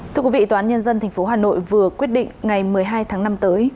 thưa quý vị tòa án nhân dân tp hà nội vừa quyết định ngày một mươi hai tháng năm tới